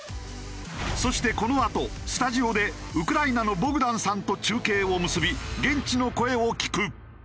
そしてこのあとスタジオでウクライナのボグダンさんと中継を結び現地の声を聞く。